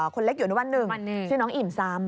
คนเล็กอยู่อนุบันหนึ่งชื่อน้องอิ่มซ้ำ